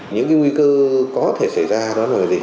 những cái nguy cơ có thể xảy ra đó là gì